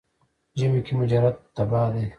ژمي کې مجرد تبا دی.